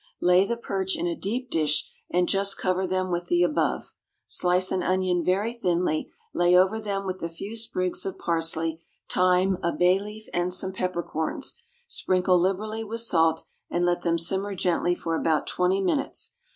Lay the perch in a deep dish, and just cover them with the above. Slice an onion very thinly, lay over them with a few sprigs of parsley, thyme, a bay leaf, and some peppercorns, sprinkle liberally with salt, and let them simmer gently for about twenty minutes.